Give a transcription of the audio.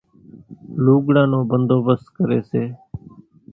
لُوڳڙان نو ڀنڌوڀست ڪريَ سي۔